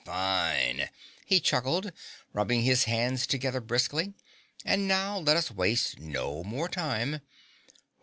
"Fine!" he chuckled, rubbing his hands together briskly. "And now, let us waste no more time.